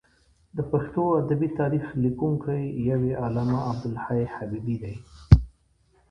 د پښتو ادبي تاریخ لیکونکی یو یې علامه عبدالحی حبیبي دی.